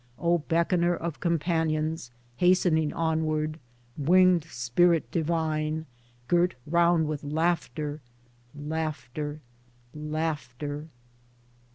O beckoner of companions, hastening onward — winged spirit divine, girt round with laughter, laughter, laughter.